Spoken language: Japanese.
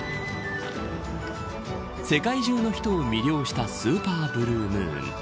世界中の人を魅了したスーパーブルームーン。